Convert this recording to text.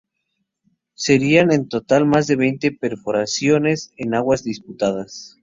Serían en total más de veinte perforaciones en aguas disputadas.